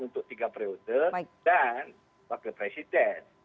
untuk tiga periode dan wakil presiden